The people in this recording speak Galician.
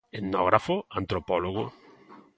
Etnógrafo, antropólogo?